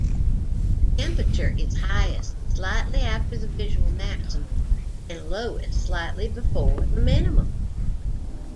The temperature is highest slightly after the visual maximum, and lowest slightly before minimum.